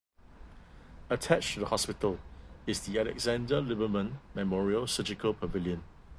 Attached to the hospital is the Alexander Liberman Memorial Surgical Pavilion.